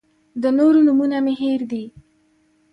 د نورو نومونه مې هېر دي.